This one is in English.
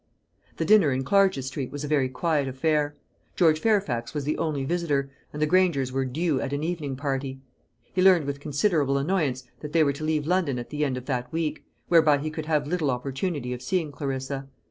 The dinner in Clarges street was a very quiet affair. George Fairfax was the only visitor, and the Grangers were "due" at an evening party. He learned with considerable annoyance that they were to leave London at the end of that week, whereby he could have little opportunity of seeing Clarissa.